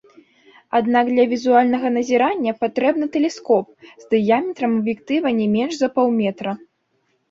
Аднак для візуальнага назірання патрэбны тэлескоп з дыяметрам аб'ектыва не менш за паўметра.